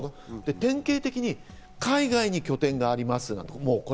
典型的に海外に拠点があります。